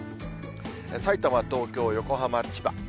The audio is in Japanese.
さいたま、東京、横浜、千葉。